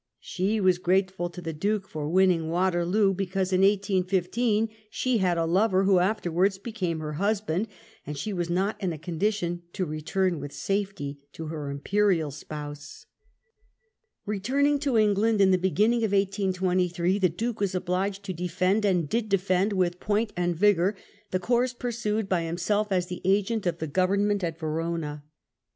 She was grateful to the Duke for win ning Waterloo, because in 1815 she had a lover, who afterwards became her husband, and she was not in a condition to return with safety to her imperial spouse. X THE duke's defence OF HIS CONDUCT 233 Eetuming to England in the beginning of 1823, the Duke was obliged to defend, and did defend with point and vigour, the course pursued by himself as the agent of the Government at Verona.